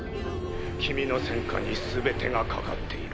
君の戦果に全てが懸かっている。